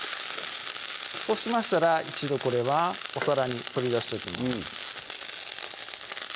そうしましたら一度これはお皿に取り出しておきます